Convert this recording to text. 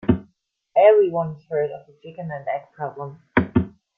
Everyone has heard of the chicken and egg problem.